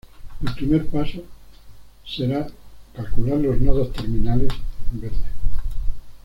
El primer paso será calcular los nodos terminales, en verde.